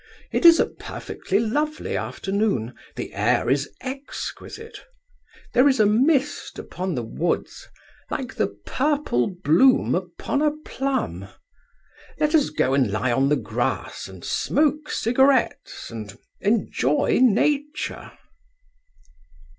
It is a perfectly lovely afternoon. The air is exquisite. There is a mist upon the woods, like the purple bloom upon a plum. Let us go and lie on the grass and smoke cigarettes and enjoy Nature.